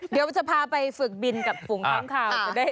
เดี๋ยวจะพาไปฝึกบินกับฝูงค้างคาว